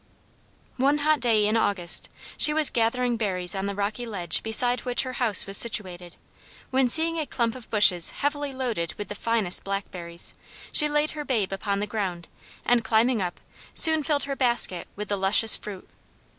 One hot day in August she was gathering berries on the rocky ledge beside which her house was situated, when seeing a clump of bushes heavily loaded with the finest blackberries, she laid her babe upon the ground, and climbing up, soon filled her basket with the luscious fruit.